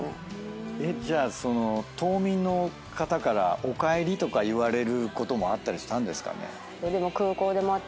じゃあその島民の方から「おかえり」とか言われることもあったりしたんですかね？